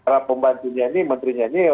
para pembantunya ini menterinya ini